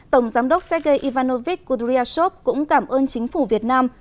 tổng giám đốc sergei ivanovich kudryashov cũng cảm ơn chính phủ việt nam